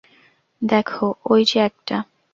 দেখো, ওই যে একটা।